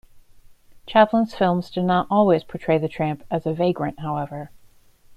Chaplin's films did not always portray the Tramp as a vagrant, however.